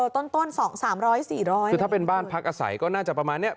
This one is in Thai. ต้นต้นสองสามร้อยสี่ร้อยคือถ้าเป็นบ้านพักอาศัยก็น่าจะประมาณเนี้ย